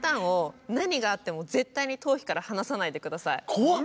怖っ！